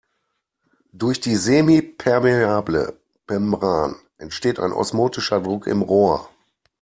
Durch die semipermeable Membran entsteht ein osmotischer Druck im Rohr.